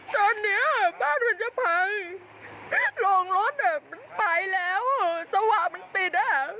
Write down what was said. จนเนี้ยอ่ะบ้านมันจะพังลงรถอ่ะมันไปแล้วสว่างมันติดอ่ะ